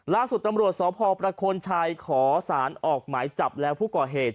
ล่าสุดตำรวจสพประโคนชัยขอสารออกหมายจับแล้วผู้ก่อเหตุ